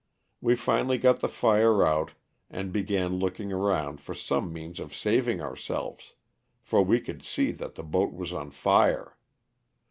We finally got the fire out and began looking around for some means of saving ourselves, for we could see that the boat was on fire.